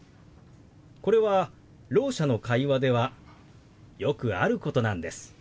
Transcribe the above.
これはろう者の会話ではよくあることなんです。